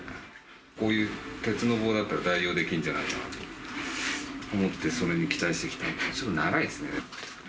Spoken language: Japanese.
こういう鉄の棒だったら代用できるんじゃないかって、それに期待して来たんですけど、ちょっと長いですね。